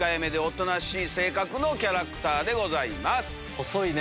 細いね。